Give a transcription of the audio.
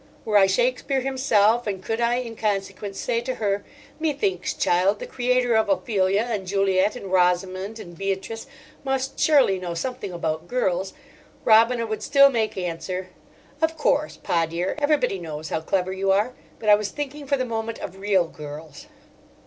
Were I Shakespeare himself, and could I in consequence say to her: "Methinks, child, the creator of Ophelia and Juliet, and Rosamund and Beatrice, must surely know something about girls," Robina would still make answer: "Of course, Pa dear. Everybody knows how clever you are. But I was thinking for the moment of real girls."